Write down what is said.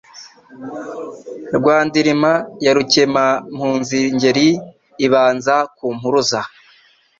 Rwa ndirima ya RukemampunziIngeri ibanza ku mpuruza